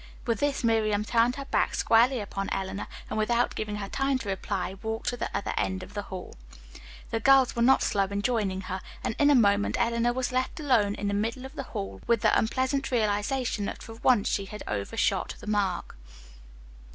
With this Miriam turned her back squarely upon Eleanor, and without giving her time to reply, walked to the other end of the hall. The girls were not slow in joining her, and in a moment Eleanor was left alone in the middle of the hall, with the unpleasant realization that for once she had overshot the mark.